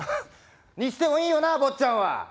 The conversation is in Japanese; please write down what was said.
にしてもいいよな坊ちゃんは。